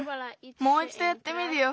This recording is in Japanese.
もういちどやってみるよ。